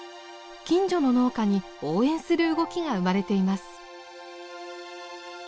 近所の農家に応援する動きが生まれています。